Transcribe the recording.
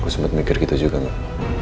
gue sempet mikir gitu juga mak